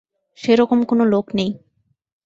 সেরকম কোনো লোক নেই।